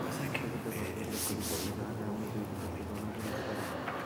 প্রকৃত তথ্য উল্লেখ করিতেছি, যাহাতে আমরা দুই দিকের তুলনা করিতে পারি।